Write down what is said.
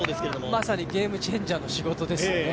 まさにゲームチェンジャーの仕事ですよね。